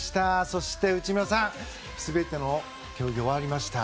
そして内村さん、全ての競技が終わりました。